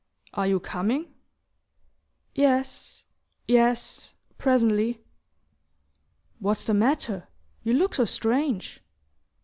"Are you coming?" "Yes ... yes ... presently." "What's the matter? You look so strange."